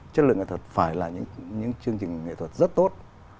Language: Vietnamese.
chất lượng nghệ thuật phải là những chương trình nghệ thuật rất tốt